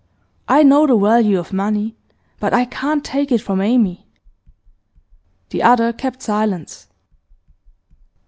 I know the value of money, but I can't take it from Amy.' The other kept silence.